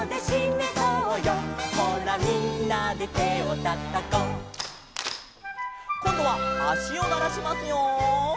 「ほらみんなで手をたたこう」「」こんどはあしをならしますよ。